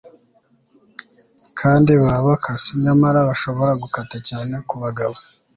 kandi baba bakase, nyamara bashobora gukata cyane ku bagabo